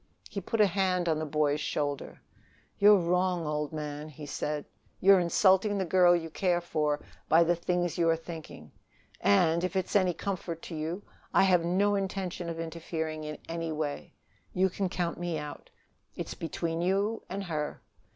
He put a hand on the boy's shoulder. "You're wrong, old man," he said. "You're insulting the girl you care for by the things you are thinking. And, if it's any comfort to you, I have no intention of interfering in any way. You can count me out. It's between you and her."